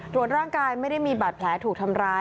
ร่างกายไม่ได้มีบาดแผลถูกทำร้าย